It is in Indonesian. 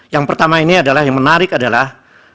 yang pertama ini adalah yang menarik adalah